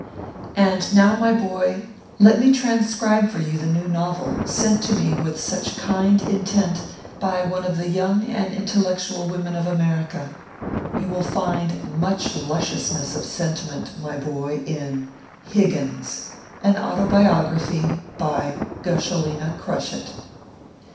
And now, my boy, let me transcribe for you the new novel, sent to me with such kind intent by one of the young and intellectual women of America. You will find much lusciousness of sentiment, my boy, in HI GGINS. AN AUTOBIOGRAPHY. BY GUSHALINA CRUSHIT.